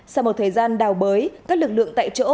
sau một thời gian đào bới các lực lượng tại chỗ